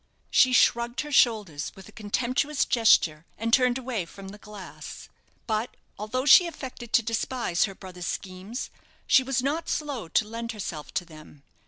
She shrugged her shoulders with a contemptuous gesture, and turned away from the glass. But, although she affected to despise her brother's schemes, she was not slow to lend herself to them.